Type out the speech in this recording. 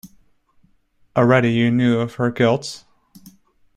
Already you knew of her guilt?